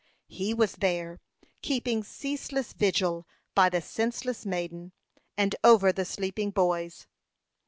He was there keeping ceaseless vigil by the senseless maiden, and over the sleeping boys.